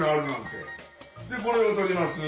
でこれを取ります。